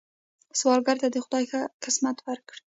سوالګر ته خدای ښه قسمت ورکړي